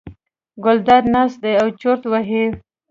ګلداد ناست دی او چورت وهي.